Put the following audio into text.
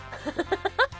ハハハハハ。